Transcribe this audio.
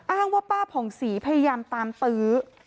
อ้างว่าป้าผ่องศรีพยายามตามตื้อ